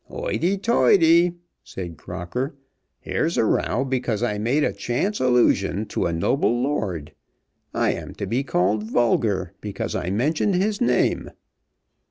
"Hoity, toity," said Crocker, "here's a row because I made a chance allusion to a noble lord. I am to be called vulgar because I mentioned his name."